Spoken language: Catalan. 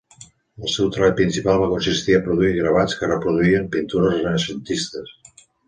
El seu treball principal va consistir a produir gravats que reproduïen pintures renaixentistes.